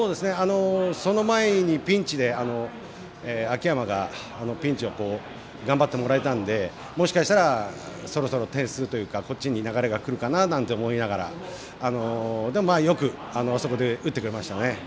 その前に秋山がピンチを頑張ってもらえたんでもしかしたらそろそろ点数というかこっちに流れがくるかななんて思いながらでもよくあそこで打ってくれましたね。